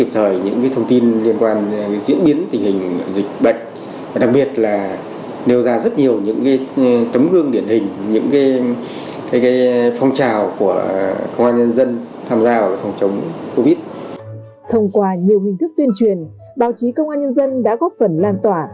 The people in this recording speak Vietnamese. thông qua nhiều hình thức tuyên truyền báo chí công an nhân dân đã góp phần lan tỏa